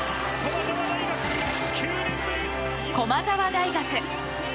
駒澤大学。